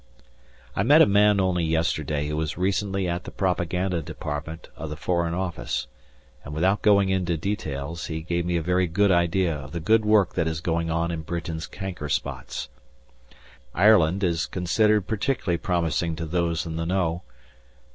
I met a man only yesterday who was recently at the propaganda department of the Foreign Office, and without going into details he gave me a very good idea of the good work that is going on in Britain's canker spots. Ireland is considered particularly promising to those in the know.